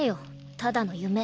ただの夢。